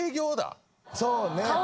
そうね。